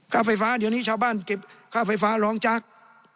ค่าไฟฟ้าเดี๋ยวนี้ชาวบ้านเก็บค่าไฟฟ้าร้องจักร